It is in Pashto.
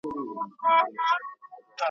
پال ډنبار خپل لومړنی شعر `